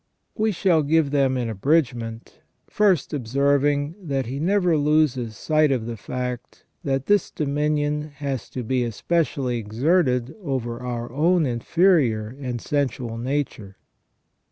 We shall give them in abridgment, first observing that he never loses sight of the fact that this dominion has to be especially exerted over our own inferior and sensual nature.